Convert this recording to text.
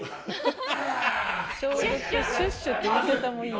消毒シュッシュって言い方もいいよね。